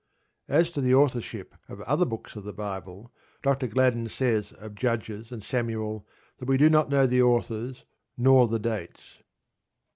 As to the authorship of other books of the Bible, Dr. Gladden says of Judges and Samuel that we do not know the authors nor the dates.